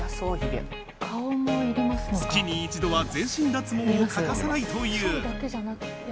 月に１度は全身脱毛を欠かさないという。